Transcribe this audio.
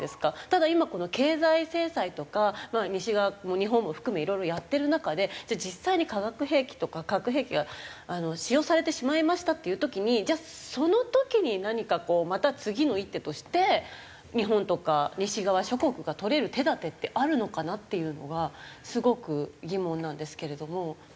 ただ今この経済制裁とかまあ西側日本も含めいろいろやってる中でじゃあ実際に化学兵器とか核兵器が使用されてしまいましたっていう時にじゃあその時に何かこうまた次の一手として日本とか西側諸国が取れる手立てってあるのかなっていうのがすごく疑問なんですけれども。